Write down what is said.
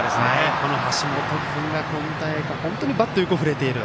この橋本君が、今大会本当にバットをよく振れている。